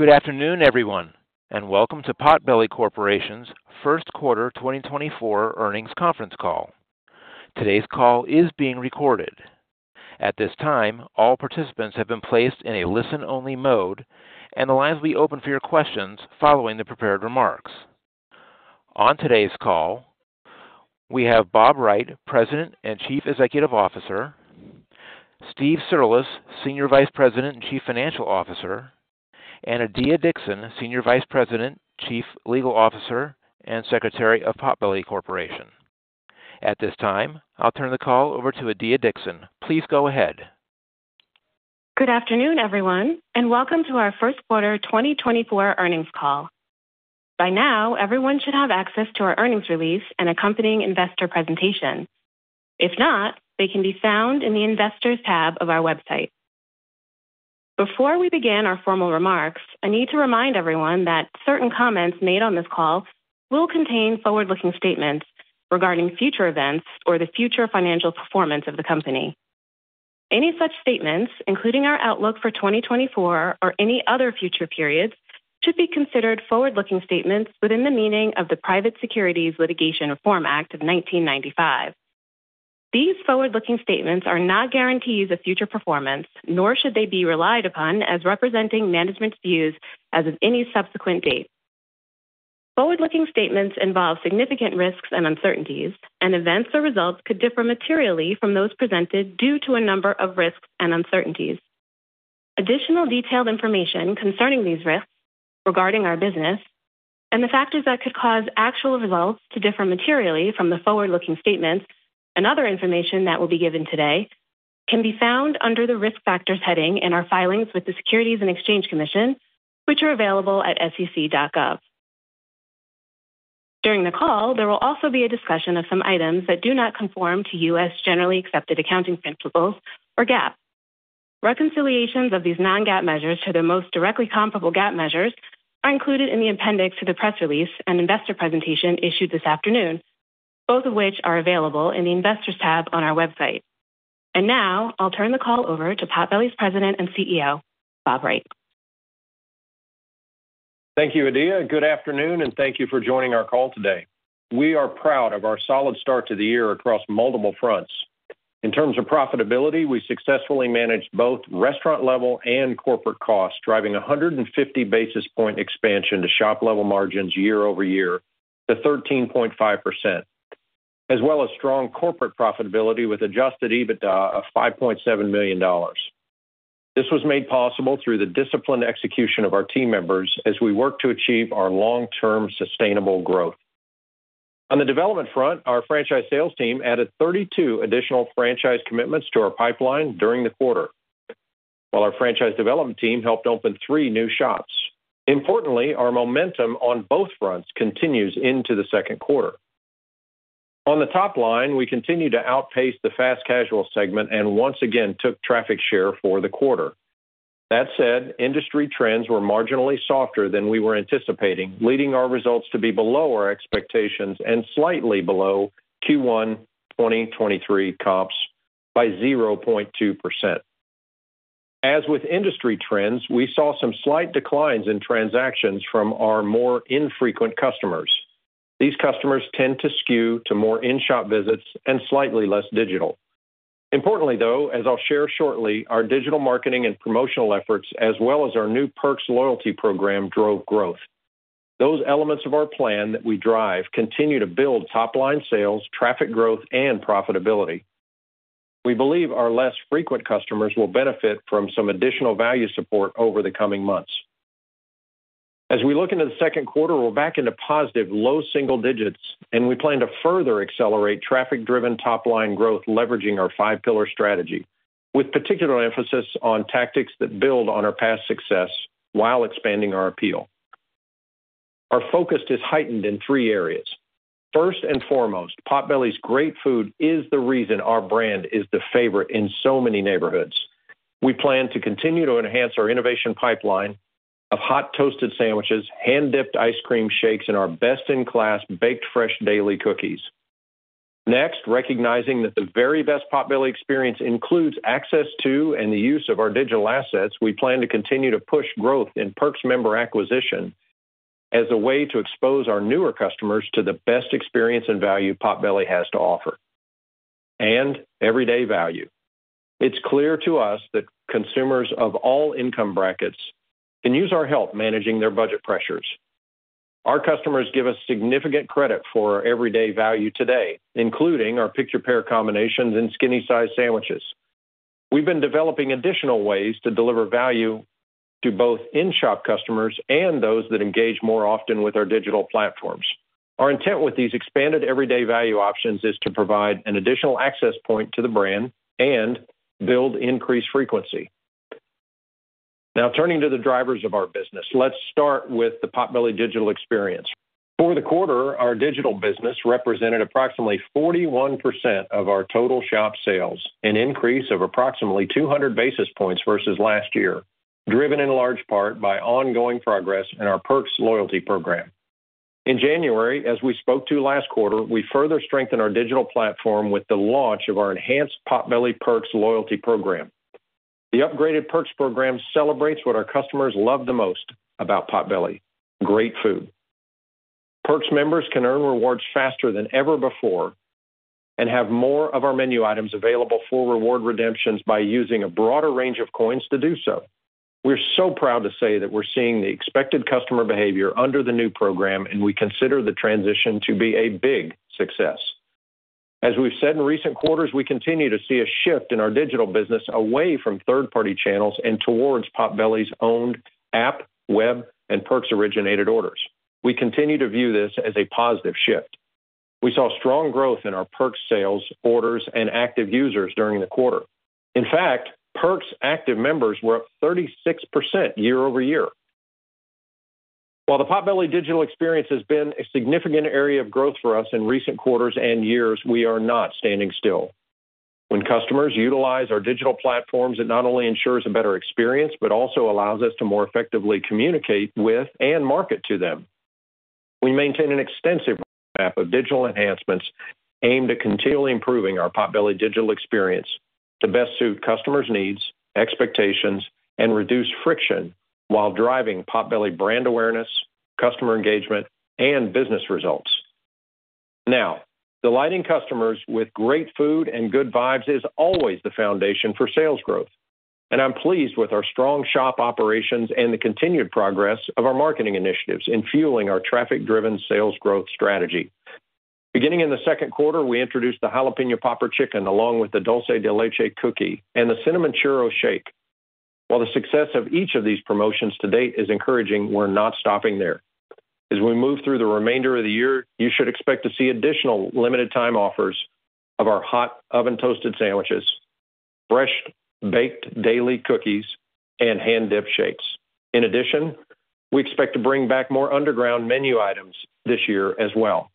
Good afternoon, everyone, and welcome to Potbelly Corporation's first quarter 2024 earnings conference call. Today's call is being recorded. At this time, all participants have been placed in a listen-only mode, and the lines will be open for your questions following the prepared remarks. On today's call, we have Bob Wright, President and Chief Executive Officer; Steve Cirulis, Senior Vice President and Chief Financial Officer; and Adiya Dixon, Senior Vice President, Chief Legal Officer, and Secretary of Potbelly Corporation. At this time, I'll turn the call over to Adiya Dixon. Please go ahead. Good afternoon, everyone, and welcome to our first quarter 2024 earnings call. By now, everyone should have access to our earnings release and accompanying investor presentation. If not, they can be found in the Investors tab of our website. Before we begin our formal remarks, I need to remind everyone that certain comments made on this call will contain forward-looking statements regarding future events or the future financial performance of the company. Any such statements, including our outlook for 2024 or any other future periods, should be considered forward-looking statements within the meaning of the Private Securities Litigation Reform Act of 1995. These forward-looking statements are not guarantees of future performance, nor should they be relied upon as representing management's views as of any subsequent date. Forward-looking statements involve significant risks and uncertainties, and events or results could differ materially from those presented due to a number of risks and uncertainties. Additional detailed information concerning these risks, regarding our business, and the factors that could cause actual results to differ materially from the forward-looking statements and other information that will be given today can be found under the Risk Factors heading in our filings with the Securities and Exchange Commission, which are available at sec.gov. During the call, there will also be a discussion of some items that do not conform to U.S. generally accepted accounting principles or GAAP. Reconciliations of these non-GAAP measures to their most directly comparable GAAP measures are included in the appendix to the press release and investor presentation issued this afternoon, both of which are available in the Investors tab on our website. And now, I'll turn the call over to Potbelly's President and CEO, Bob Wright. Thank you, Adiya. Good afternoon, and thank you for joining our call today. We are proud of our solid start to the year across multiple fronts. In terms of profitability, we successfully managed both restaurant-level and corporate costs, driving 150 basis point expansion to shop-level margins year-over-year to 13.5%, as well as strong corporate profitability with Adjusted EBITDA of $5.7 million. This was made possible through the disciplined execution of our team members as we work to achieve our long-term sustainable growth. On the development front, our franchise sales team added 32 additional franchise commitments to our pipeline during the quarter, while our franchise development team helped open three new shops. Importantly, our momentum on both fronts continues into the second quarter. On the top line, we continue to outpace the fast-casual segment and once again took traffic share for the quarter. That said, industry trends were marginally softer than we were anticipating, leading our results to be below our expectations and slightly below Q1 2023 comps by 0.2%. As with industry trends, we saw some slight declines in transactions from our more infrequent customers. These customers tend to skew to more in-shop visits and slightly less digital. Importantly, though, as I'll share shortly, our digital marketing and promotional efforts, as well as our new Perks Loyalty Program, drove growth. Those elements of our plan that we drive continue to build top-line sales, traffic growth, and profitability. We believe our less frequent customers will benefit from some additional value support over the coming months. As we look into the second quarter, we're back into positive low single digits, and we plan to further accelerate traffic-driven top-line growth leveraging our five-pillar strategy, with particular emphasis on tactics that build on our past success while expanding our appeal. Our focus is heightened in three areas. First and foremost, Potbelly's great food is the reason our brand is the favorite in so many neighborhoods. We plan to continue to enhance our innovation pipeline of hot toasted sandwiches, hand-dipped ice cream shakes, and our best-in-class baked fresh daily cookies. Next, recognizing that the very best Potbelly experience includes access to and the use of our digital assets, we plan to continue to push growth in Perks member acquisition as a way to expose our newer customers to the best experience and value Potbelly has to offer and everyday value. It's clear to us that consumers of all income brackets can use our help managing their budget pressures. Our customers give us significant credit for our everyday value today, including our Pick-Your-Pair combinations and Skinnies sandwiches. We've been developing additional ways to deliver value to both in-shop customers and those that engage more often with our digital platforms. Our intent with these expanded everyday value options is to provide an additional access point to the brand and build increased frequency. Now, turning to the drivers of our business, let's start with the Potbelly digital experience. For the quarter, our digital business represented approximately 41% of our total shop sales, an increase of approximately 200 basis points versus last year, driven in large part by ongoing progress in our Perks Loyalty Program. In January, as we spoke to last quarter, we further strengthened our digital platform with the launch of our enhanced Potbelly Perks Loyalty Program. The upgraded Perks Program celebrates what our customers love the most about Potbelly: great food. Perks members can earn rewards faster than ever before and have more of our menu items available for reward redemptions by using a broader range of coins to do so. We're so proud to say that we're seeing the expected customer behavior under the new program, and we consider the transition to be a big success. As we've said in recent quarters, we continue to see a shift in our digital business away from third-party channels and towards Potbelly's owned app, web, and Perks-originated orders. We continue to view this as a positive shift. We saw strong growth in our Perks sales, orders, and active users during the quarter. In fact, Perks active members were up 36% year-over-year. While the Potbelly digital experience has been a significant area of growth for us in recent quarters and years, we are not standing still. When customers utilize our digital platforms, it not only ensures a better experience but also allows us to more effectively communicate with and market to them. We maintain an extensive map of digital enhancements aimed at continually improving our Potbelly digital experience to best suit customers' needs, expectations, and reduce friction while driving Potbelly brand awareness, customer engagement, and business results. Now, delighting customers with great food and good vibes is always the foundation for sales growth, and I'm pleased with our strong shop operations and the continued progress of our marketing initiatives in fueling our traffic-driven sales growth strategy. Beginning in the second quarter, we introduced the Jalapeño Popper Chicken along with the Dulce de Leche Cookie and the Cinnamon Churro Shake. While the success of each of these promotions to date is encouraging, we're not stopping there. As we move through the remainder of the year, you should expect to see additional limited-time offers of our hot oven-toasted sandwiches, fresh baked daily cookies, and hand-dipped shakes. In addition, we expect to bring back more Underground Menu items this year as well.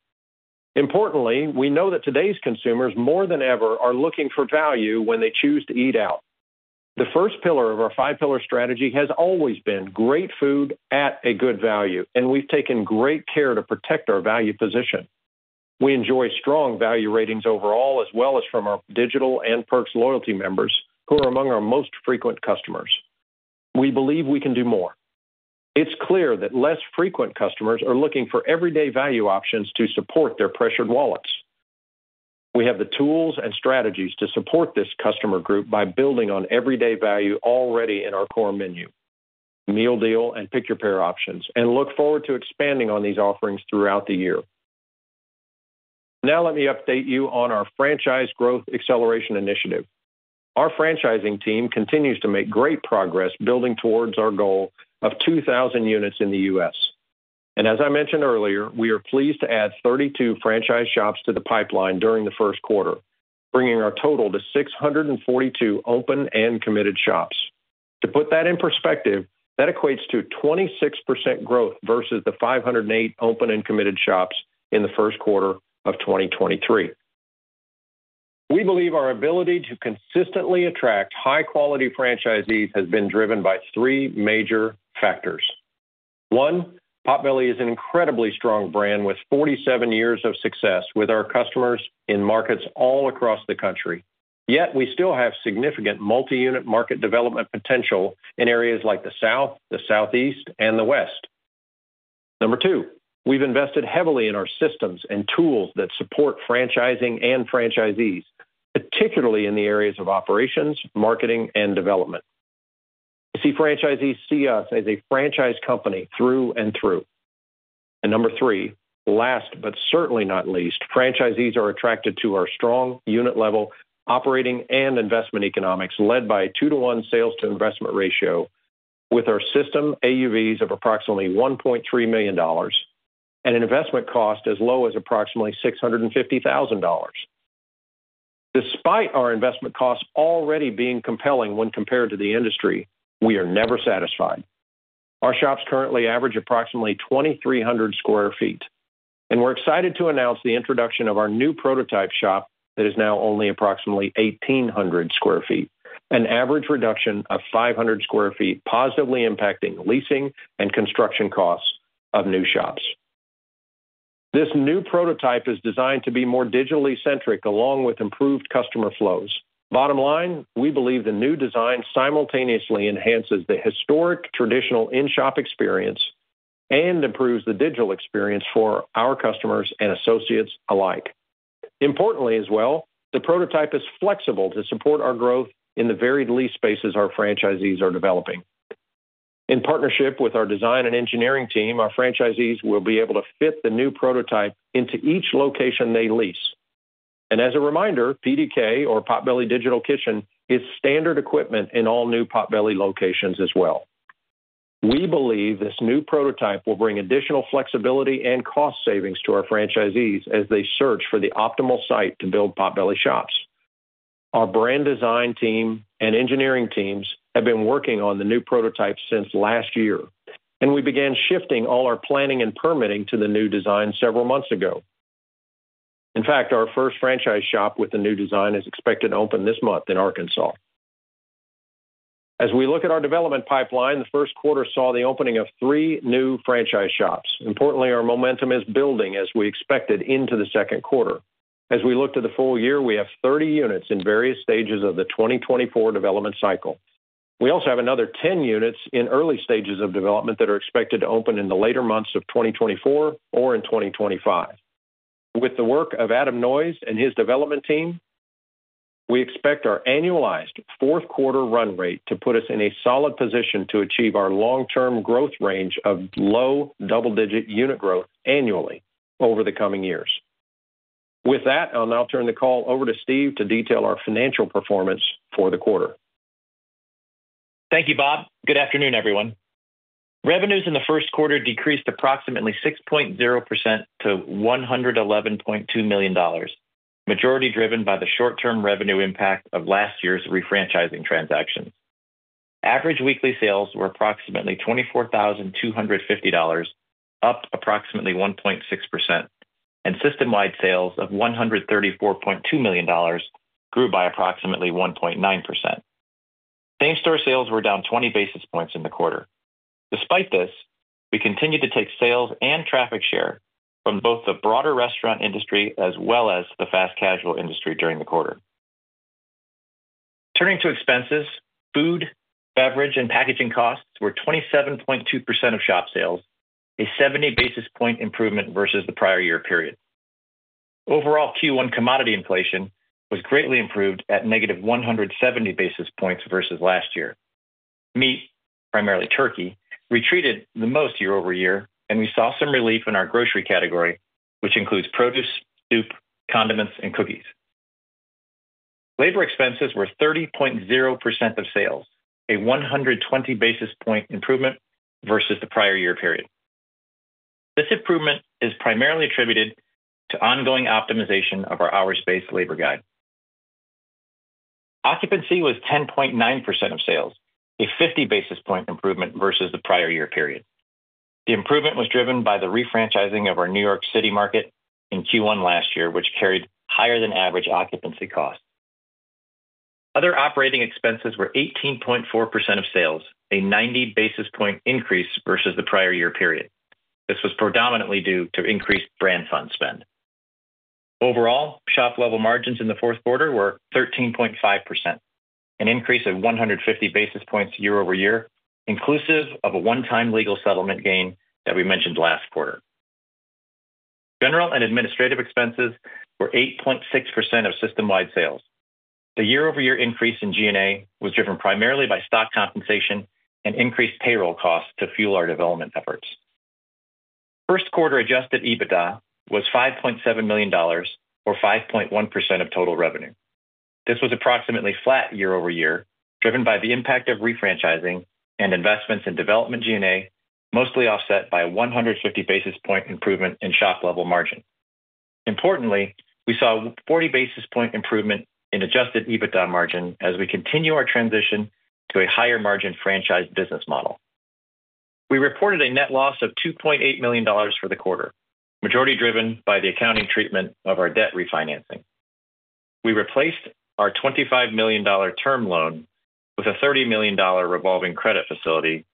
Importantly, we know that today's consumers, more than ever, are looking for value when they choose to eat out. The first pillar of our five-pillar strategy has always been great food at a good value, and we've taken great care to protect our value position. We enjoy strong value ratings overall, as well as from our digital and Perks Loyalty members, who are among our most frequent customers. We believe we can do more. It's clear that less frequent customers are looking for everyday value options to support their pressured wallets. We have the tools and strategies to support this customer group by building on everyday value already in our core menu, meal deal, and Pick-Your-Pair options, and look forward to expanding on these offerings throughout the year. Now, let me update you on our Franchise Growth Acceleration Initiative. Our franchising team continues to make great progress building towards our goal of 2,000 units in the U.S. As I mentioned earlier, we are pleased to add 32 franchise shops to the pipeline during the first quarter, bringing our total to 642 open and committed shops. To put that in perspective, that equates to 26% growth versus the 508 open and committed shops in the first quarter of 2023. We believe our ability to consistently attract high-quality franchisees has been driven by three major factors. One, Potbelly is an incredibly strong brand with 47 years of success with our customers in markets all across the country. Yet, we still have significant multi-unit market development potential in areas like the South, the Southeast, and the West. Number two, we've invested heavily in our systems and tools that support franchising and franchisees, particularly in the areas of operations, marketing, and development. We see franchisees see us as a franchise company through and through. Number three, last but certainly not least, franchisees are attracted to our strong unit-level operating and investment economics led by a 2-to-1 sales-to-investment ratio with our system AUVs of approximately $1.3 million and an investment cost as low as approximately $650,000. Despite our investment costs already being compelling when compared to the industry, we are never satisfied. Our shops currently average approximately 2,300 sq ft, and we're excited to announce the introduction of our new prototype shop that is now only approximately 1,800 sq ft, an average reduction of 500 sq ft positively impacting leasing and construction costs of new shops. This new prototype is designed to be more digitally centric along with improved customer flows. Bottom line, we believe the new design simultaneously enhances the historic traditional in-shop experience and improves the digital experience for our customers and associates alike. Importantly as well, the prototype is flexible to support our growth in the varied lease spaces our franchisees are developing. In partnership with our design and engineering team, our franchisees will be able to fit the new prototype into each location they lease. As a reminder, PDK, or Potbelly Digital Kitchen, is standard equipment in all new Potbelly locations as well. We believe this new prototype will bring additional flexibility and cost savings to our franchisees as they search for the optimal site to build Potbelly shops. Our brand design team and engineering teams have been working on the new prototype since last year, and we began shifting all our planning and permitting to the new design several months ago. In fact, our first franchise shop with the new design is expected to open this month in Arkansas. As we look at our development pipeline, the first quarter saw the opening of three new franchise shops. Importantly, our momentum is building as we expected into the second quarter. As we look to the full year, we have 30 units in various stages of the 2024 development cycle. We also have another 10 units in early stages of development that are expected to open in the later months of 2024 or in 2025. With the work of Adam Noyes and his development team, we expect our annualized fourth-quarter run rate to put us in a solid position to achieve our long-term growth range of low double-digit unit growth annually over the coming years. With that, I'll now turn the call over to Steve to detail our financial performance for the quarter. Thank you, Bob. Good afternoon, everyone. Revenues in the first quarter decreased approximately 6.0% to $111.2 million, majority driven by the short-term revenue impact of last year's refranchising transactions. Average weekly sales were approximately $24,250, up approximately 1.6%, and system-wide sales of $134.2 million grew by approximately 1.9%. Same-store sales were down 20 basis points in the quarter. Despite this, we continue to take sales and traffic share from both the broader restaurant industry as well as the fast-casual industry during the quarter. Turning to expenses, food, beverage, and packaging costs were 27.2% of shop sales, a 70 basis point improvement versus the prior year period. Overall Q1 commodity inflation was greatly improved at negative 170 basis points versus last year. Meat, primarily turkey, retreated the most year-over-year, and we saw some relief in our grocery category, which includes produce, soup, condiments, and cookies. Labor expenses were 30.0% of sales, a 120 basis points improvement versus the prior year period. This improvement is primarily attributed to ongoing optimization of our hours-based labor guide. Occupancy was 10.9% of sales, a 50 basis points improvement versus the prior year period. The improvement was driven by the refranchising of our New York City market in Q1 last year, which carried higher-than-average occupancy costs. Other operating expenses were 18.4% of sales, a 90 basis points improvement versus the prior year period. This was predominantly due to increased Brand Fund spend. Overall, shop-level margins in the fourth quarter were 13.5%, an increase of 150 basis points year-over-year, inclusive of a one-time legal settlement gain that we mentioned last quarter. General and administrative expenses were 8.6% of system-wide sales. The year-over-year increase in G&A was driven primarily by stock compensation and increased payroll costs to fuel our development efforts. First-quarter Adjusted EBITDA was $5.7 million, or 5.1% of total revenue. This was approximately flat year over year, driven by the impact of refranchising and investments in development G&A, mostly offset by a 150 basis point improvement in shop-level margin. Importantly, we saw a 40 basis point improvement in Adjusted EBITDA margin as we continue our transition to a higher-margin franchise business model. We reported a net loss of $2.8 million for the quarter, majority driven by the accounting treatment of our debt refinancing. We replaced our $25 million term loan with a $30 million revolving credit facility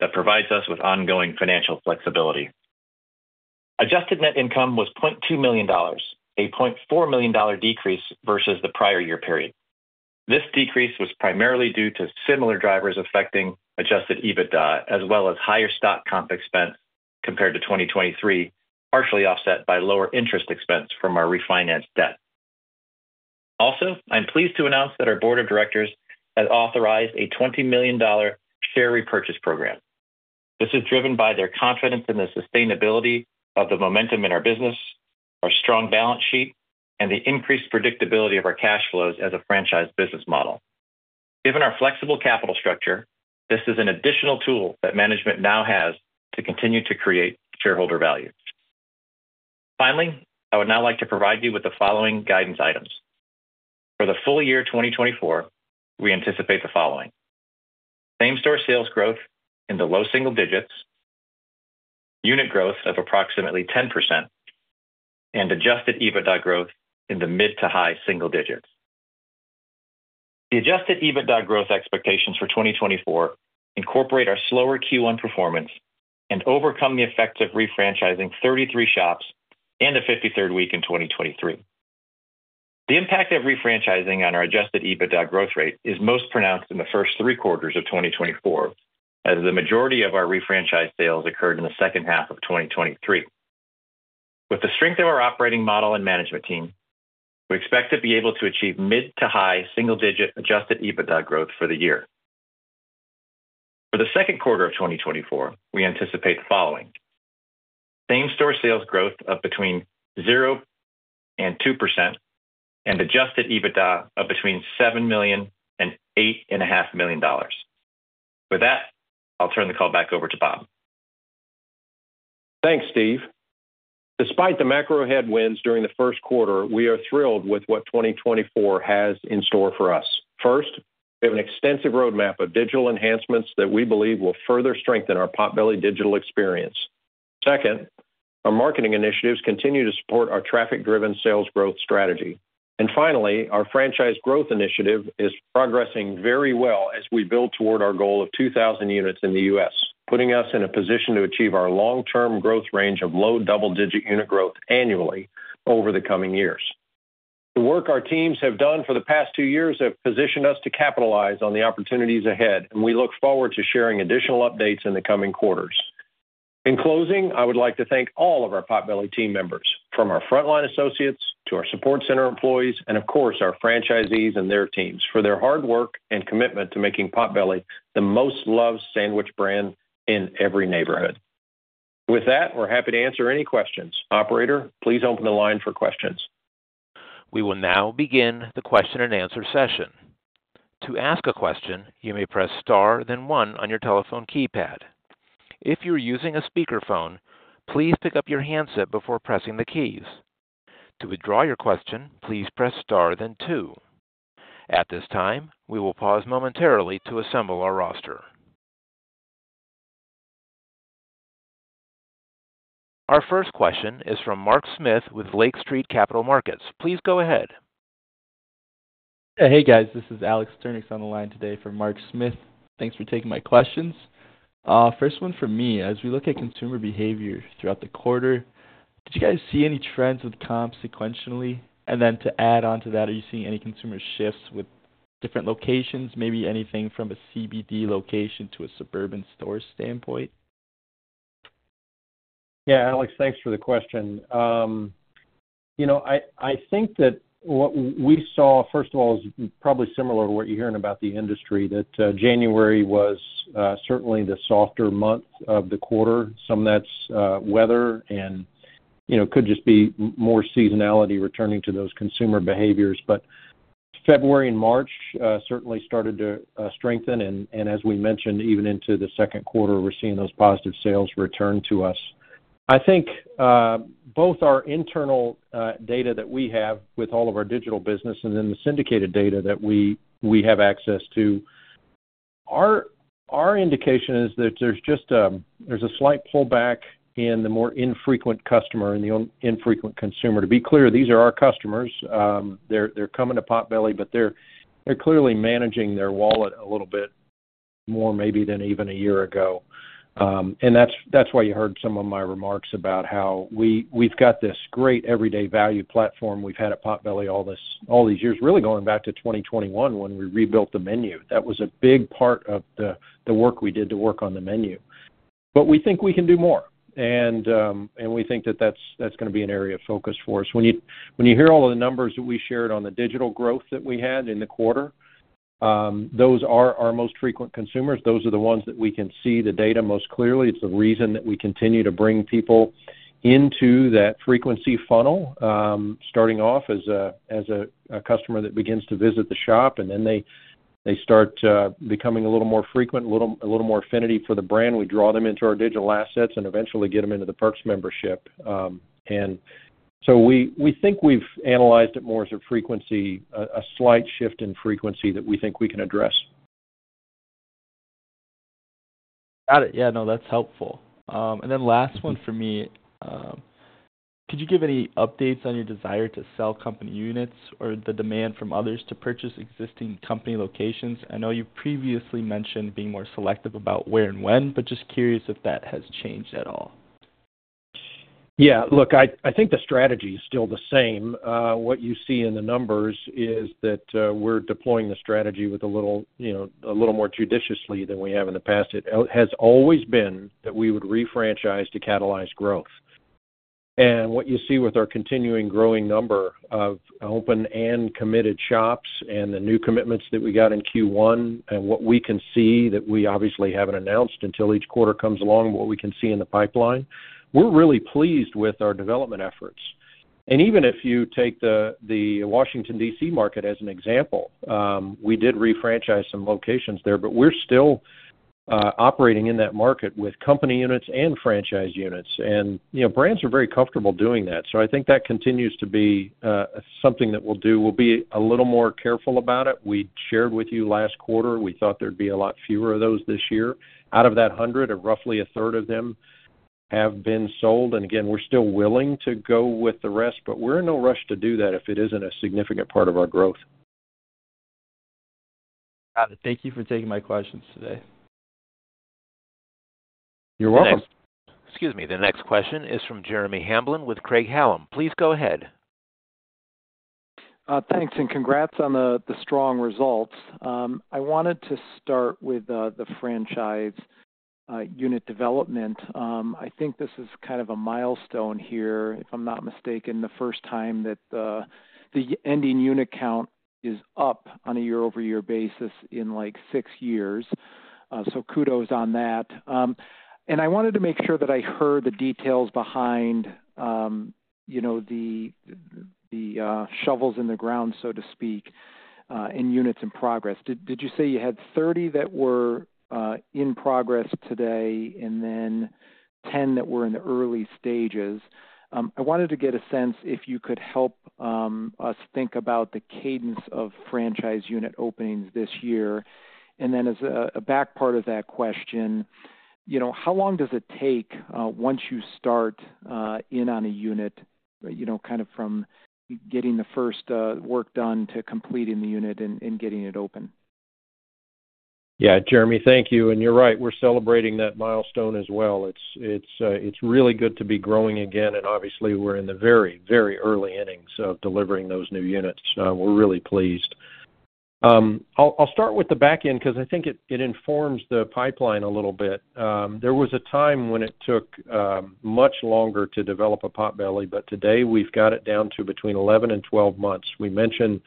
that provides us with ongoing financial flexibility. Adjusted net income was $0.2 million, a $0.4 million decrease versus the prior year period. This decrease was primarily due to similar drivers affecting Adjusted EBITDA as well as higher stock comp expense compared to 2023, partially offset by lower interest expense from our refinanced debt. Also, I'm pleased to announce that our board of directors has authorized a $20 million share repurchase program. This is driven by their confidence in the sustainability of the momentum in our business, our strong balance sheet, and the increased predictability of our cash flows as a franchise business model. Given our flexible capital structure, this is an additional tool that management now has to continue to create shareholder value. Finally, I would now like to provide you with the following guidance items. For the full year 2024, we anticipate the following: same-store sales growth in the low single digits, unit growth of approximately 10%, and Adjusted EBITDA growth in the mid to high single digits. The Adjusted EBITDA growth expectations for 2024 incorporate our slower Q1 performance and overcome the effects of refranchising 33 shops and the 53rd week in 2023. The impact of refranchising on our Adjusted EBITDA growth rate is most pronounced in the first three quarters of 2024, as the majority of our refranchised sales occurred in the second half of 2023. With the strength of our operating model and management team, we expect to be able to achieve mid- to high single-digit Adjusted EBITDA growth for the year. For the second quarter of 2024, we anticipate the following: same-store sales growth of between 0% and 2% and Adjusted EBITDA of between $7 million and $8.5 million. With that, I'll turn the call back over to Bob. Thanks, Steve. Despite the macro headwinds during the first quarter, we are thrilled with what 2024 has in store for us. First, we have an extensive roadmap of digital enhancements that we believe will further strengthen our Potbelly digital experience. Second, our marketing initiatives continue to support our traffic-driven sales growth strategy. Finally, our franchise growth initiative is progressing very well as we build toward our goal of 2,000 units in the U.S., putting us in a position to achieve our long-term growth range of low double-digit unit growth annually over the coming years. The work our teams have done for the past two years has positioned us to capitalize on the opportunities ahead, and we look forward to sharing additional updates in the coming quarters. In closing, I would like to thank all of our Potbelly team members, from our frontline associates to our support center employees, and of course, our franchisees and their teams, for their hard work and commitment to making Potbelly the most-loved sandwich brand in every neighborhood. With that, we're happy to answer any questions. Operator, please open the line for questions. We will now begin the question-and-answer session. To ask a question, you may press star then one on your telephone keypad. If you're using a speakerphone, please pick up your handset before pressing the keys. To withdraw your question, please press star then two. At this time, we will pause momentarily to assemble our roster. Our first question is from Mark Smith with Lake Street Capital Markets. Please go ahead. Hey, guys. This is Alex Sturnieks on the line today from Mark Smith. Thanks for taking my questions. First one from me: As we look at consumer behavior throughout the quarter, did you guys see any trends with comps sequentially? And then to add onto that, are you seeing any consumer shifts with different locations, maybe anything from a CBD location to a suburban store standpoint? Yeah, Alex, thanks for the question. I think that what we saw, first of all, is probably similar to what you're hearing about the industry, that January was certainly the softer month of the quarter. Some of that's weather and could just be more seasonality returning to those consumer behaviors. But February and March certainly started to strengthen, and as we mentioned, even into the second quarter, we're seeing those positive sales return to us. I think both our internal data that we have with all of our digital business and then the syndicated data that we have access to, our indication is that there's a slight pullback in the more infrequent customer and the infrequent consumer. To be clear, these are our customers. They're coming to Potbelly, but they're clearly managing their wallet a little bit more maybe than even a year ago. And that's why you heard some of my remarks about how we've got this great everyday value platform we've had at Potbelly all these years, really going back to 2021 when we rebuilt the menu. That was a big part of the work we did to work on the menu. But we think we can do more, and we think that that's going to be an area of focus for us. When you hear all of the numbers that we shared on the digital growth that we had in the quarter, those are our most frequent consumers. Those are the ones that we can see the data most clearly. It's the reason that we continue to bring people into that frequency funnel, starting off as a customer that begins to visit the shop, and then they start becoming a little more frequent, a little more affinity for the brand. We draw them into our digital assets and eventually get them into the Perks membership. And so we think we've analyzed it more as a slight shift in frequency that we think we can address. Got it. Yeah, no, that's helpful. And then last one for me: could you give any updates on your desire to sell company units or the demand from others to purchase existing company locations? I know you previously mentioned being more selective about where and when, but just curious if that has changed at all. Yeah, look, I think the strategy is still the same. What you see in the numbers is that we're deploying the strategy with a little more judiciously than we have in the past. It has always been that we would refranchise to catalyze growth. And what you see with our continuing growing number of open and committed shops and the new commitments that we got in Q1 and what we can see that we obviously haven't announced until each quarter comes along, what we can see in the pipeline, we're really pleased with our development efforts. And even if you take the Washington, D.C. market as an example, we did refranchise some locations there, but we're still operating in that market with company units and franchise units. And brands are very comfortable doing that. So I think that continues to be something that we'll do. We'll be a little more careful about it. We shared with you last quarter. We thought there'd be a lot fewer of those this year. Out of that 100, roughly a third of them have been sold. And again, we're still willing to go with the rest, but we're in no rush to do that if it isn't a significant part of our growth. Got it. Thank you for taking my questions today. You're welcome. Excuse me. The next question is from Jeremy Hamblin with Craig-Hallum. Please go ahead. Thanks and congrats on the strong results. I wanted to start with the franchise unit development. I think this is kind of a milestone here, if I'm not mistaken, the first time that the ending unit count is up on a year-over-year basis in like six years. So kudos on that. And I wanted to make sure that I heard the details behind the shovels in the ground, so to speak, and units in progress. Did you say you had 30 that were in progress today and then 10 that were in the early stages? I wanted to get a sense if you could help us think about the cadence of franchise unit openings this year. And then as a back part of that question, how long does it take once you start in on a unit, kind of from getting the first work done to completing the unit and getting it open? Yeah, Jeremy, thank you. And you're right. We're celebrating that milestone as well. It's really good to be growing again. Obviously, we're in the very, very early innings of delivering those new units. We're really pleased. I'll start with the back end because I think it informs the pipeline a little bit. There was a time when it took much longer to develop a Potbelly, but today we've got it down to between 11 and 12 months. We mentioned,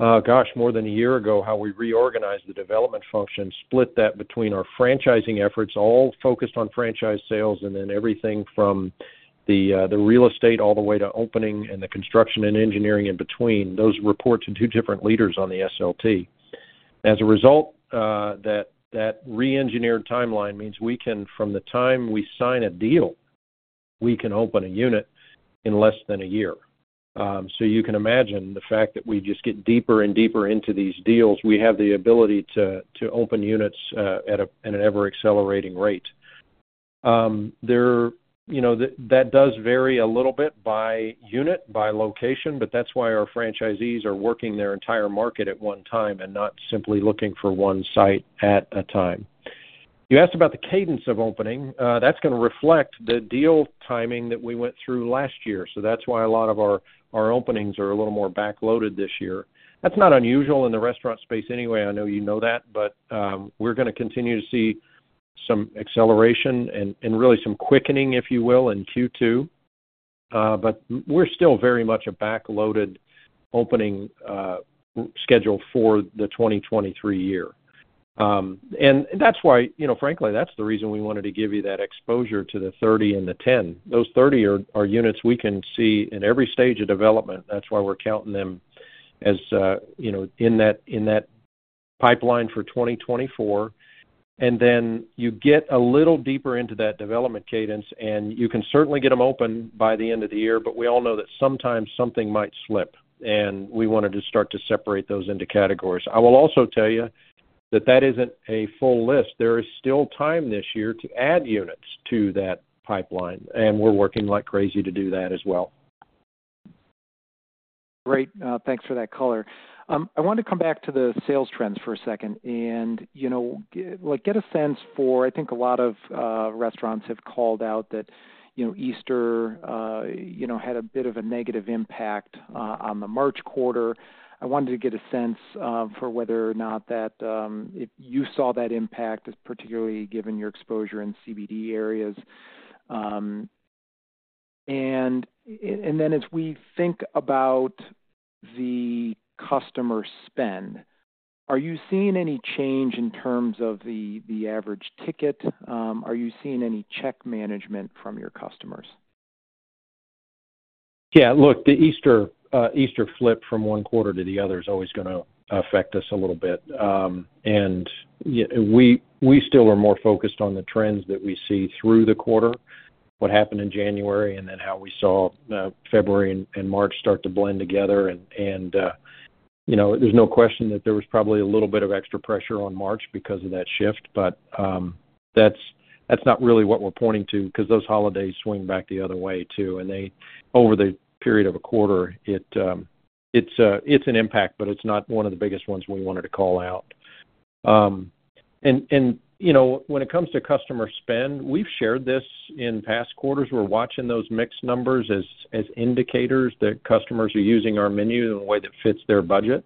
gosh, more than a year ago how we reorganized the development function, split that between our franchising efforts, all focused on franchise sales, and then everything from the real estate all the way to opening and the construction and engineering in between. Those report to two different leaders on the SLT. As a result, that re-engineered timeline means we can, from the time we sign a deal, we can open a unit in less than a year. So you can imagine the fact that we just get deeper and deeper into these deals. We have the ability to open units at an ever-accelerating rate. That does vary a little bit by unit, by location, but that's why our franchisees are working their entire market at one time and not simply looking for one site at a time. You asked about the cadence of opening. That's going to reflect the deal timing that we went through last year. So that's why a lot of our openings are a little more backloaded this year. That's not unusual in the restaurant space anyway. I know you know that, but we're going to continue to see some acceleration and really some quickening, if you will, in Q2. But we're still very much a backloaded opening schedule for the 2023 year. And that's why, frankly, that's the reason we wanted to give you that exposure to the 30 and the 10. Those 30 are units we can see in every stage of development. That's why we're counting them as in that pipeline for 2024. And then you get a little deeper into that development cadence, and you can certainly get them open by the end of the year. But we all know that sometimes something might slip, and we wanted to start to separate those into categories. I will also tell you that that isn't a full list. There is still time this year to add units to that pipeline, and we're working like crazy to do that as well. Great. Thanks for that color. I want to come back to the sales trends for a second and get a sense for, I think, a lot of restaurants have called out that Easter had a bit of a negative impact on the March quarter. I wanted to get a sense for whether or not that you saw that impact, particularly given your exposure in CBD areas. And then as we think about the customer spend, are you seeing any change in terms of the average ticket? Are you seeing any check management from your customers? Yeah, look, the Easter flip from one quarter to the other is always going to affect us a little bit. And we still are more focused on the trends that we see through the quarter, what happened in January, and then how we saw February and March start to blend together. And there's no question that there was probably a little bit of extra pressure on March because of that shift. But that's not really what we're pointing to because those holidays swing back the other way too. And over the period of a quarter, it's an impact, but it's not one of the biggest ones we wanted to call out. And when it comes to customer spend, we've shared this in past quarters. We're watching those mixed numbers as indicators that customers are using our menu in a way that fits their budget.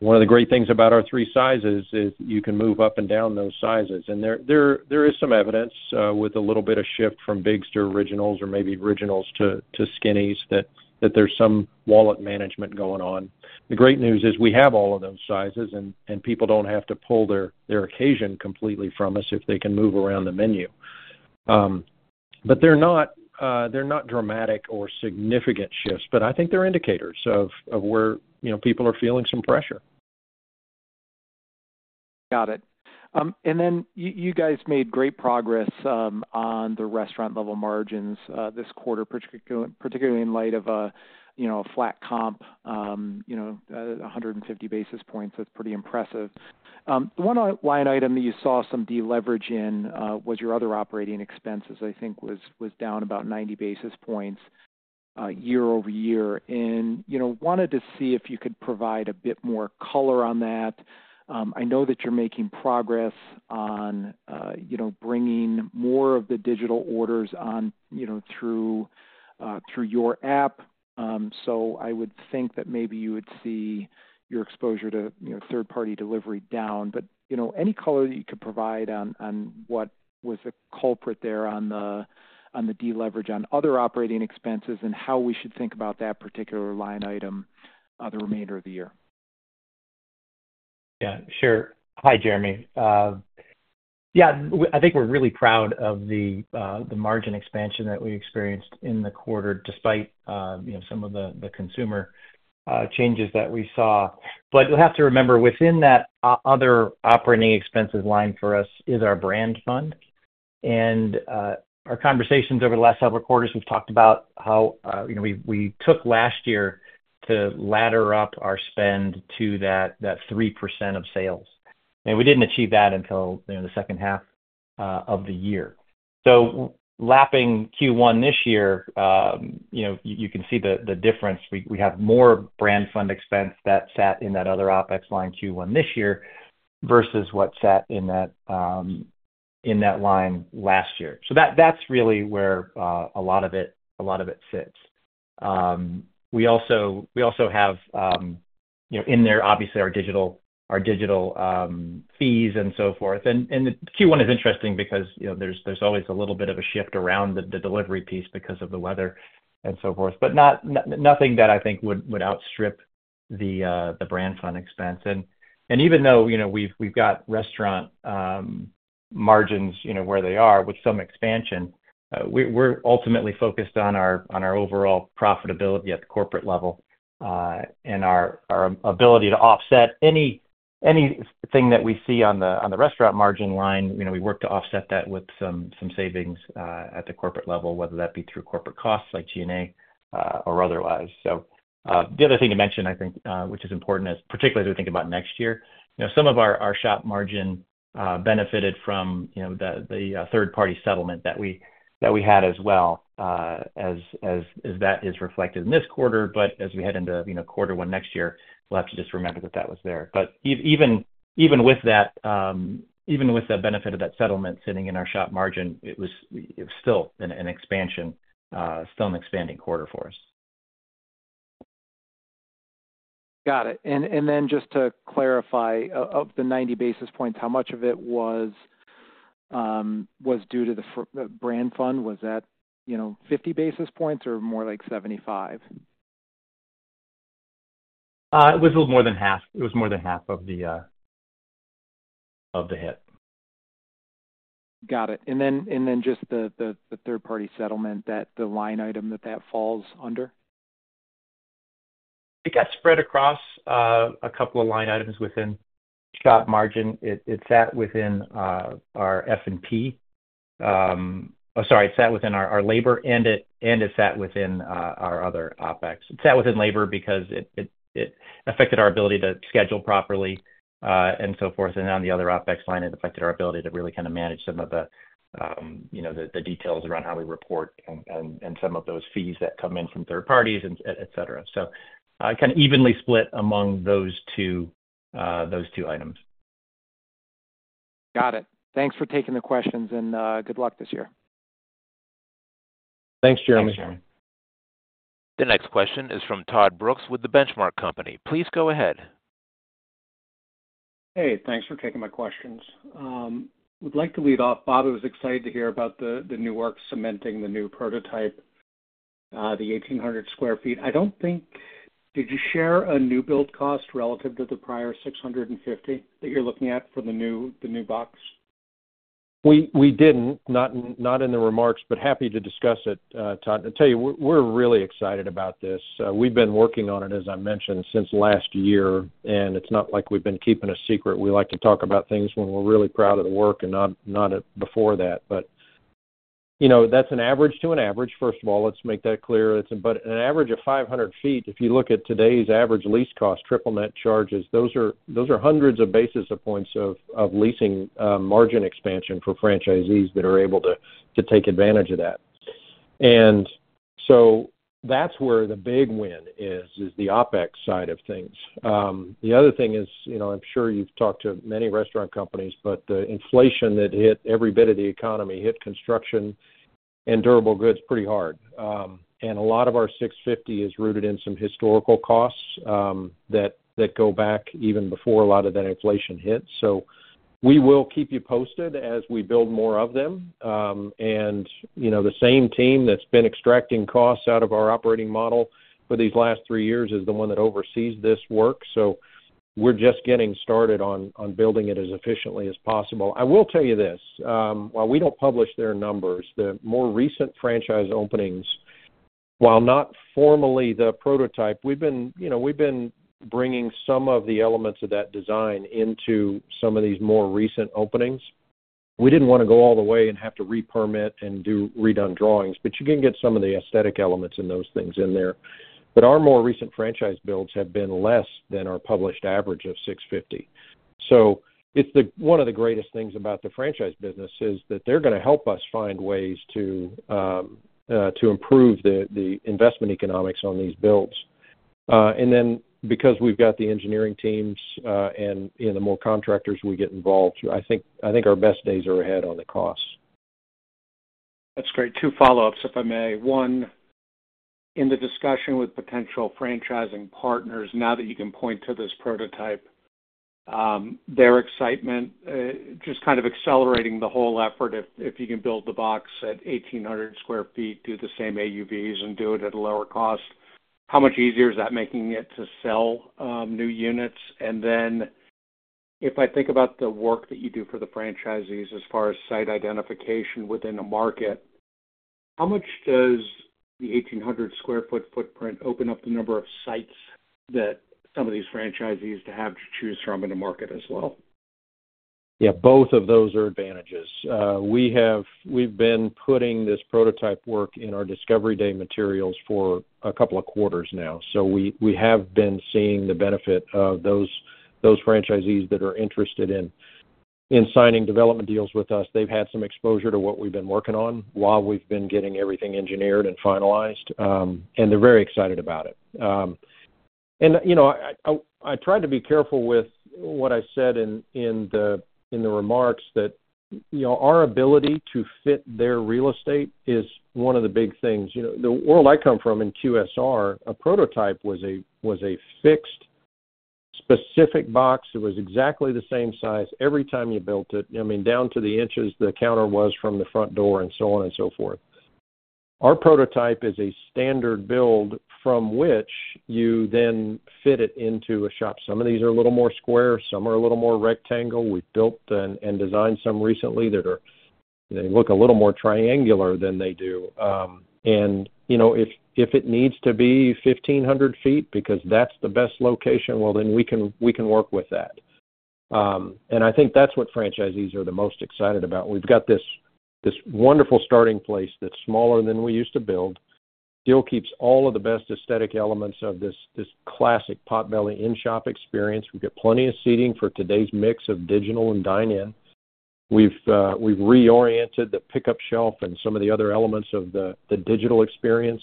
One of the great things about our three sizes is you can move up and down those sizes. And there is some evidence with a little bit of shift from Bigs to Originals or maybe Originals to Skinnies that there's some wallet management going on. The great news is we have all of those sizes, and people don't have to pull their occasion completely from us if they can move around the menu. But they're not dramatic or significant shifts, but I think they're indicators of where people are feeling some pressure. Got it. And then you guys made great progress on the restaurant-level margins this quarter, particularly in light of a flat comp, 150 basis points. That's pretty impressive. The one line item that you saw some deleverage in was your other operating expenses, I think, was down about 90 basis points year-over-year. And wanted to see if you could provide a bit more color on that. I know that you're making progress on bringing more of the digital orders through your app. So I would think that maybe you would see your exposure to third-party delivery down. But any color that you could provide on what was the culprit there on the deleverage on other operating expenses and how we should think about that particular line item the remainder of the year? Yeah, sure. Hi, Jeremy. Yeah, I think we're really proud of the margin expansion that we experienced in the quarter despite some of the consumer changes that we saw. But you'll have to remember, within that other operating expenses line for us is our brand fund. And our conversations over the last several quarters, we've talked about how we took last year to ladder up our spend to that 3% of sales. And we didn't achieve that until the second half of the year. So lapping Q1 this year, you can see the difference. We have more brand fund expense that sat in that other OpEx line Q1 this year versus what sat in that line last year. So that's really where a lot of it sits. We also have, in there, obviously, our digital fees and so forth. And Q1 is interesting because there's always a little bit of a shift around the delivery piece because of the weather and so forth, but nothing that I think would outstrip the brand fund expense. And even though we've got restaurant margins where they are with some expansion, we're ultimately focused on our overall profitability at the corporate level and our ability to offset anything that we see on the restaurant margin line. We work to offset that with some savings at the corporate level, whether that be through corporate costs like G&A or otherwise. So the other thing to mention, I think, which is important, particularly as we think about next year, some of our shop margin benefited from the third-party settlement that we had as well, as that is reflected in this quarter. But as we head into quarter one next year, we'll have to just remember that that was there. But even with that, even with the benefit of that settlement sitting in our shop margin, it was still an expansion, still an expanding quarter for us. Got it. And then just to clarify, of the 90 basis points, how much of it was due to the Brand Fund? Was that 50 basis points or more like 75? It was a little more than half. It was more than half of the hit. Got it. And then just the third-party settlement, the line item that that falls under? It got spread across a couple of line items within shop margin. It sat within our F&P. Oh, sorry, it sat within our labor, and it sat within our other OpEx. It sat within labor because it affected our ability to schedule properly and so forth. And on the other OpEx line, it affected our ability to really kind of manage some of the details around how we report and some of those fees that come in from third parties, etc. So kind of evenly split among those two items. Got it. Thanks for taking the questions, and good luck this year. Thanks, Jeremy. Thanks, Jeremy. The next question is from Todd Brooks with The Benchmark Company. Please go ahead. Hey, thanks for taking my questions. Would like to lead off. Bob, I was excited to hear about the new work cementing the new prototype, the 1,800 sq ft. Did you share a new build cost relative to the prior $650 that you're looking at for the new box? We didn't, not in the remarks, but happy to discuss it, Todd. I'll tell you, we're really excited about this. We've been working on it, as I mentioned, since last year, and it's not like we've been keeping a secret. We like to talk about things when we're really proud of the work and not before that. But that's an average to an average, first of all. Let's make that clear. But an average of 500 sq ft, if you look at today's average lease cost, triple net charges, those are hundreds of basis points of leasing margin expansion for franchisees that are able to take advantage of that. And so that's where the big win is, is the OpEx side of things. The other thing is, I'm sure you've talked to many restaurant companies, but the inflation that hit every bit of the economy, hit construction and durable goods, pretty hard. A lot of our 650 is rooted in some historical costs that go back even before a lot of that inflation hit. We will keep you posted as we build more of them. The same team that's been extracting costs out of our operating model for these last three years is the one that oversees this work. We're just getting started on building it as efficiently as possible. I will tell you this, while we don't publish their numbers, the more recent franchise openings, while not formally the prototype, we've been bringing some of the elements of that design into some of these more recent openings. We didn't want to go all the way and have to repermit and do redone drawings, but you can get some of the aesthetic elements and those things in there. But our more recent franchise builds have been less than our published average of $650. So one of the greatest things about the franchise business is that they're going to help us find ways to improve the investment economics on these builds. And then because we've got the engineering teams and the more contractors we get involved, I think our best days are ahead on the costs. That's great. Two follow-ups, if I may. One, in the discussion with potential franchising partners, now that you can point to this prototype, their excitement, just kind of accelerating the whole effort, if you can build the box at 1,800 sq ft, do the same AUVs, and do it at a lower cost, how much easier is that making it to sell new units? And then if I think about the work that you do for the franchisees as far as site identification within a market, how much does the 1,800 sq ft footprint open up the number of sites that some of these franchisees have to choose from in the market as well? Yeah, both of those are advantages. We've been putting this prototype work in our Discovery Day materials for a couple of quarters now. So we have been seeing the benefit of those franchisees that are interested in signing development deals with us. They've had some exposure to what we've been working on while we've been getting everything engineered and finalized, and they're very excited about it. I tried to be careful with what I said in the remarks, that our ability to fit their real estate is one of the big things. The world I come from in QSR, a prototype was a fixed, specific box. It was exactly the same size every time you built it. I mean, down to the inches, the counter was from the front door and so on and so forth. Our prototype is a standard build from which you then fit it into a shop. Some of these are a little more square. Some are a little more rectangle. We've built and designed some recently that look a little more triangular than they do. If it needs to be 1,500 feet because that's the best location, well, then we can work with that. And I think that's what franchisees are the most excited about. We've got this wonderful starting place that's smaller than we used to build. It still keeps all of the best aesthetic elements of this classic Potbelly in-shop experience. We've got plenty of seating for today's mix of digital and dine-in. We've reoriented the pickup shelf and some of the other elements of the digital experience,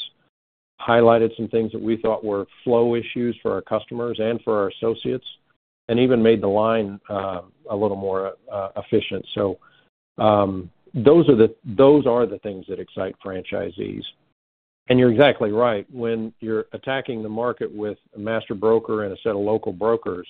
highlighted some things that we thought were flow issues for our customers and for our associates, and even made the line a little more efficient. So those are the things that excite franchisees. And you're exactly right. When you're attacking the market with a master broker and a set of local brokers,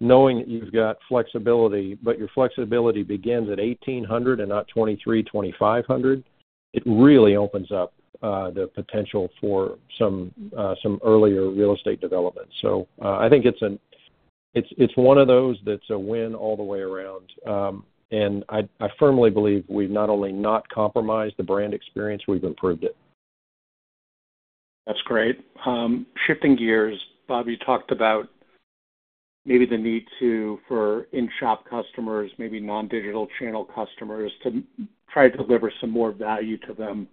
knowing that you've got flexibility, but your flexibility begins at 1,800 and not 2,300, 2,500, it really opens up the potential for some earlier real estate development. So I think it's one of those that's a win all the way around. And I firmly believe we've not only not compromised the brand experience, we've improved it. That's great. Shifting gears, Bob, you talked about maybe the need for in-shop customers, maybe non-digital channel customers, to try to deliver some more value to them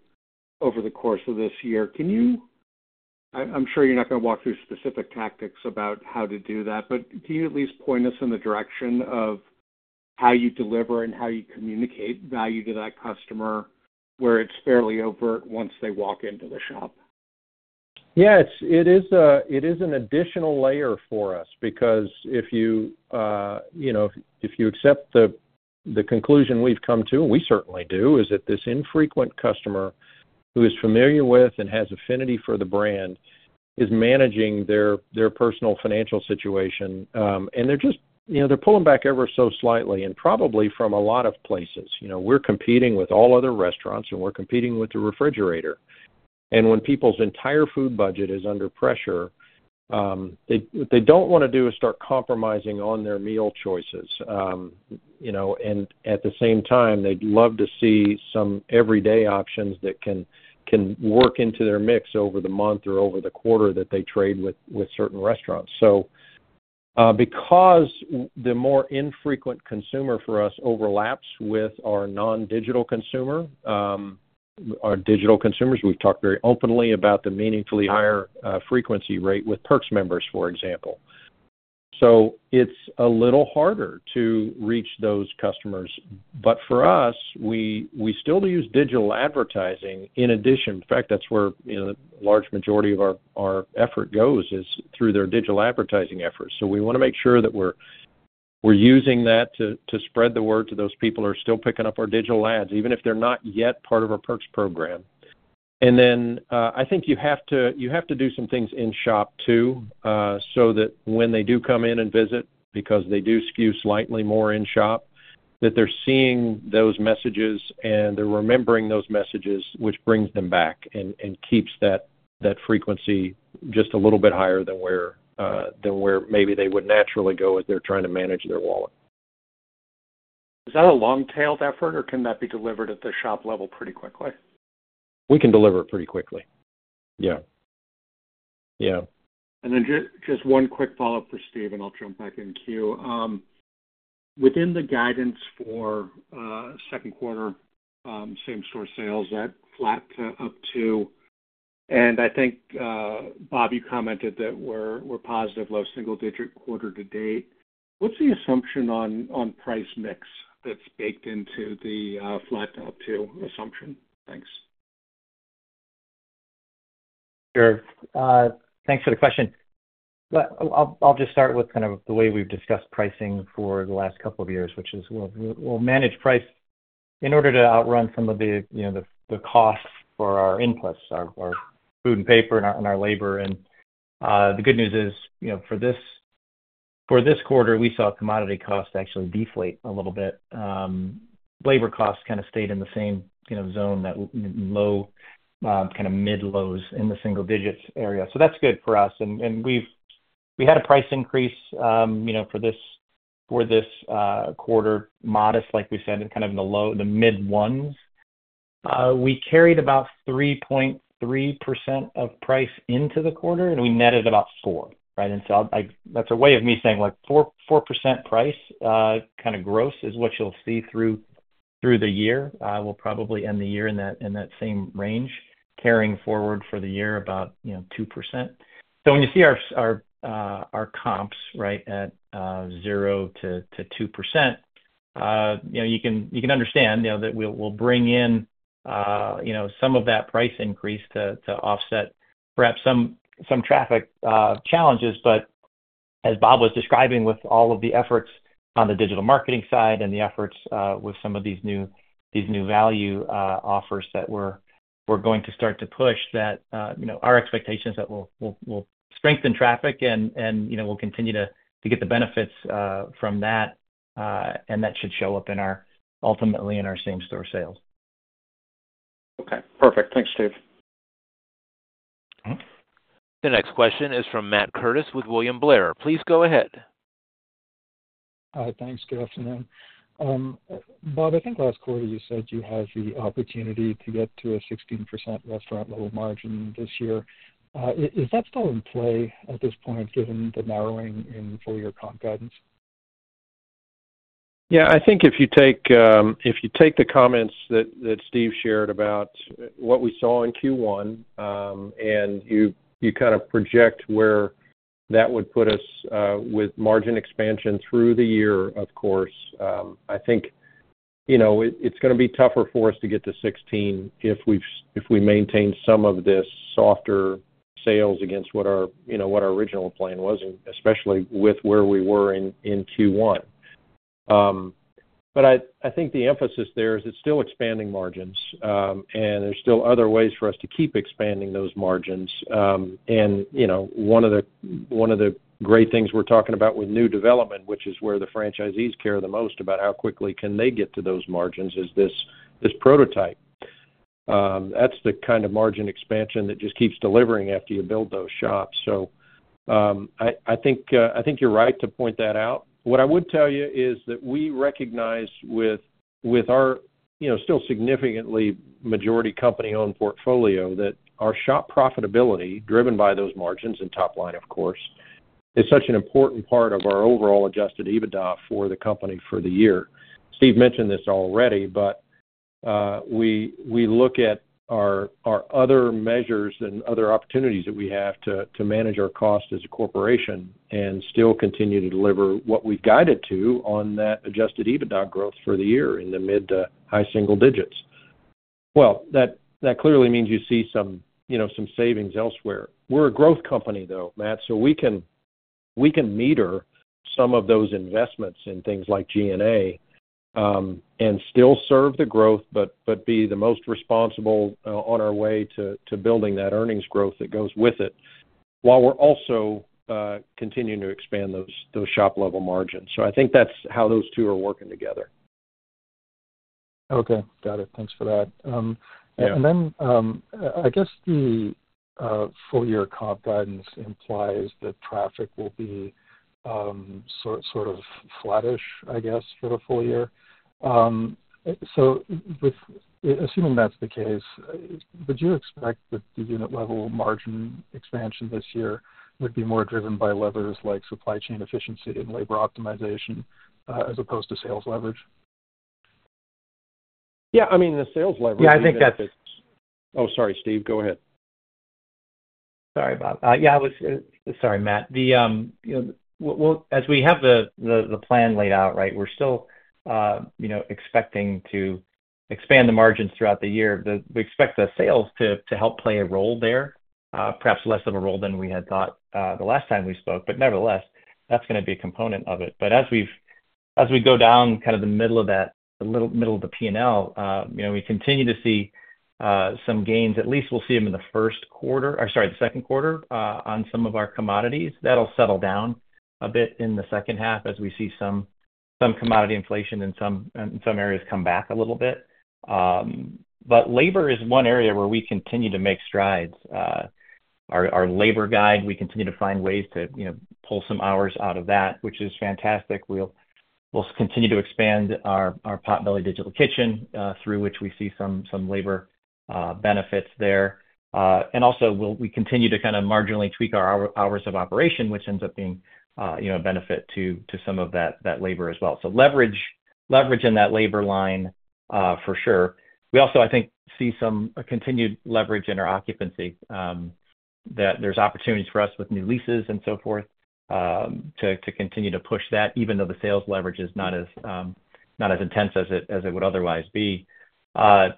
over the course of this year. I'm sure you're not going to walk through specific tactics about how to do that, but can you at least point us in the direction of how you deliver and how you communicate value to that customer where it's fairly overt once they walk into the shop? Yeah, it is an additional layer for us because if you accept the conclusion we've come to, and we certainly do, is that this infrequent customer who is familiar with and has affinity for the brand is managing their personal financial situation, and they're pulling back ever so slightly and probably from a lot of places. We're competing with all other restaurants, and we're competing with the refrigerator. And when people's entire food budget is under pressure, what they don't want to do is start compromising on their meal choices. And at the same time, they'd love to see some everyday options that can work into their mix over the month or over the quarter that they trade with certain restaurants. So because the more infrequent consumer for us overlaps with our non-digital consumer, our digital consumers, we've talked very openly about the meaningfully higher frequency rate with Perks members, for example. So it's a little harder to reach those customers. But for us, we still use digital advertising in addition. In fact, that's where the large majority of our effort goes, is through their digital advertising efforts. So we want to make sure that we're using that to spread the word to those people who are still picking up our digital ads, even if they're not yet part of our Perks program. And then I think you have to do some things in-shop too so that when they do come in and visit, because they do skew slightly more in-shop, that they're seeing those messages, and they're remembering those messages, which brings them back and keeps that frequency just a little bit higher than where maybe they would naturally go as they're trying to manage their wallet. Is that a long-tailed effort, or can that be delivered at the shop level pretty quickly? We can deliver it pretty quickly. Yeah. Yeah. And then just one quick follow-up for Steve, and I'll jump back in cue. Within the guidance for second quarter, same-store sales, that flat to up-to. And I think, Bob, you commented that we're positive, low single-digit quarter to date. What's the assumption on price mix that's baked into the flat to up-to assumption? Thanks. Sure. Thanks for the question. I'll just start with kind of the way we've discussed pricing for the last couple of years, which is we'll manage price in order to outrun some of the costs for our inputs, our food and paper, and our labor. The good news is, for this quarter, we saw commodity costs actually deflate a little bit. Labor costs kind of stayed in the same zone, low kind of mid-lows in the single-digits area. That's good for us. We had a price increase for this quarter, modest, like we said, kind of in the mid-ones. We carried about 3.3% of price into the quarter, and we netted about 4%, right? That's a way of me saying 4% price kind of gross is what you'll see through the year. We'll probably end the year in that same range, carrying forward for the year about 2%. So when you see our comps, right, at 0%-2%, you can understand that we'll bring in some of that price increase to offset perhaps some traffic challenges. But as Bob was describing, with all of the efforts on the digital marketing side and the efforts with some of these new value offers that we're going to start to push, our expectation is that we'll strengthen traffic, and we'll continue to get the benefits from that. And that should show up ultimately in our same-store sales. Okay. Perfect. Thanks, Steve. The next question is from Matt Curtis with William Blair. Please go ahead. Hi. Thanks. Good afternoon. Bob, I think last quarter, you said you had the opportunity to get to a 16% restaurant-level margin this year. Is that still in play at this point, given the narrowing in full-year comp guidance? Yeah. I think if you take the comments that Steve shared about what we saw in Q1 and you kind of project where that would put us with margin expansion through the year, of course, I think it's going to be tougher for us to get to 16 if we maintain some of this softer sales against what our original plan was, especially with where we were in Q1. But I think the emphasis there is it's still expanding margins, and there's still other ways for us to keep expanding those margins. And one of the great things we're talking about with new development, which is where the franchisees care the most about how quickly can they get to those margins, is this prototype. That's the kind of margin expansion that just keeps delivering after you build those shops. So I think you're right to point that out. What I would tell you is that we recognize with our still significantly majority company-owned portfolio that our shop profitability, driven by those margins and top line, of course, is such an important part of our overall Adjusted EBITDA for the company for the year. Steve mentioned this already, but we look at our other measures and other opportunities that we have to manage our cost as a corporation and still continue to deliver what we've guided to on that Adjusted EBITDA growth for the year in the mid to high single digits. Well, that clearly means you see some savings elsewhere. We're a growth company, though, Matt, so we can meter some of those investments in things like G&A and still serve the growth but be the most responsible on our way to building that earnings growth that goes with it while we're also continuing to expand those shop-level margins. So I think that's how those two are working together. Okay. Got it. Thanks for that. And then I guess the full-year comp guidance implies that traffic will be sort of flattish, I guess, for the full year. So assuming that's the case, would you expect that the unit-level margin expansion this year would be more driven by levers like supply chain efficiency and labor optimization as opposed to sales leverage? Yeah. I mean, the sales leverage is oh, sorry. Steve, go ahead. Sorry, Bob. Yeah. Sorry, Matt. As we have the plan laid out, right, we're still expecting to expand the margins throughout the year. We expect the sales to help play a role there, perhaps less of a role than we had thought the last time we spoke. But nevertheless, that's going to be a component of it. But as we go down kind of the middle of that, the middle of the P&L, we continue to see some gains. At least we'll see them in the first quarter or sorry, the second quarter on some of our commodities. That'll settle down a bit in the second half as we see some commodity inflation in some areas come back a little bit. But labor is one area where we continue to make strides. Our labor guide, we continue to find ways to pull some hours out of that, which is fantastic. We'll continue to expand our Potbelly Digital Kitchen, through which we see some labor benefits there. And also, we continue to kind of marginally tweak our hours of operation, which ends up being a benefit to some of that labor as well. So leverage in that labor line, for sure. We also, I think, see some continued leverage in our occupancy. There's opportunities for us with new leases and so forth to continue to push that, even though the sales leverage is not as intense as it would otherwise be. I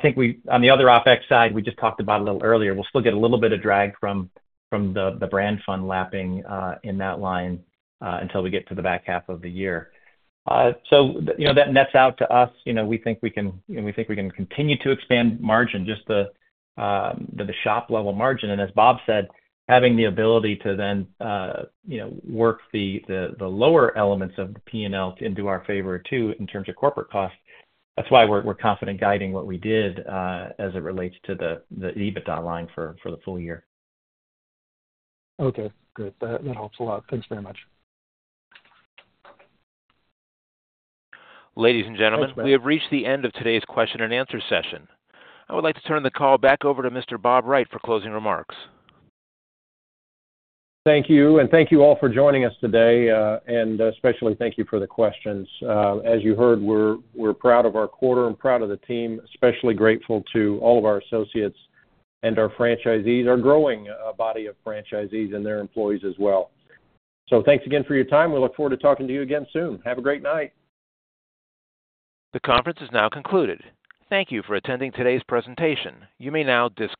think on the other OpEx side, we just talked about a little earlier, we'll still get a little bit of drag from the Brand Fund lapping in that line until we get to the back half of the year. So that nets out to us. We think we can continue to expand margin, just the shop-level margin. And as Bob said, having the ability to then work the lower elements of the P&L into our favor too in terms of corporate cost, that's why we're confident guiding what we did as it relates to the EBITDA line for the full year. Okay. Great. That helps a lot. Thanks very much. Ladies and gentlemen, we have reached the end of today's question-and-answer session. I would like to turn the call back over to Mr. Bob Wright for closing remarks. Thank you. And thank you all for joining us today, and especially thank you for the questions. As you heard, we're proud of our quarter and proud of the team, especially grateful to all of our associates and our franchisees, our growing body of franchisees, and their employees as well. Thanks again for your time. We look forward to talking to you again soon. Have a great night. The conference is now concluded. Thank you for attending today's presentation. You may now disconnect.